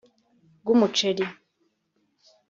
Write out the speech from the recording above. bw’umuceri